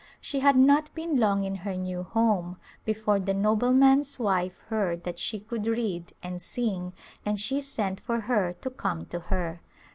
She had not been long in her new home before the nobleman's wife heard that she could read and sing and she sent for her to come to her.